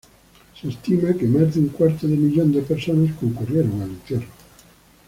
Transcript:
Se estima que más de un cuarto de millón de personas concurrieron al entierro.